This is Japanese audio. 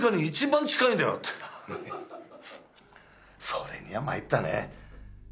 それにはまいったね。